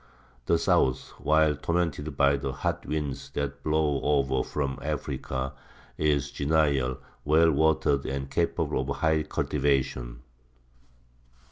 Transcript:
The south, while tormented by the hot winds that blow over from Africa, is genial, well watered, and capable of high cultivation.